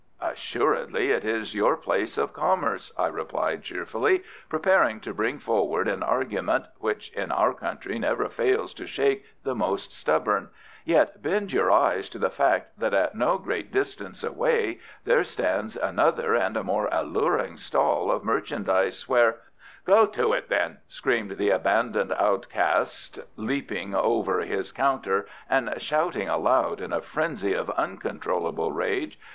"Assuredly it is your place of commerce," I replied cheerfully, preparing to bring forward an argument, which in our country never fails to shake the most stubborn, "yet bend your eyes to the fact that at no great distance away there stands another and a more alluring stall of merchandise where " "Go to it then!" screamed the abandoned outcast, leaping over his counter and shouting aloud in a frenzy of uncontrollable rage.